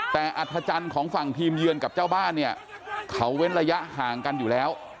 แต่อัธจันทร์ของฝั่งทีมเยือนกับเจ้าบ้านเนี่ยเขาเว้นระยะห่างกันอยู่แล้ว